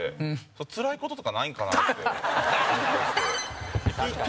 つらい事とかないんかなって思ってまして。